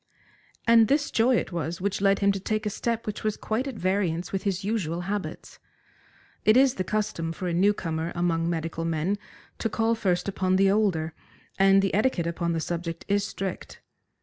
And this joy it was which led him to take a step which was quite at variance with his usual habits. It is the custom for a new comer among medical men to call first upon the older, and the etiquette upon the subject is strict.